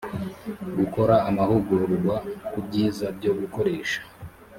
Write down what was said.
gukora amahugurwa ku byiza byo gukoresha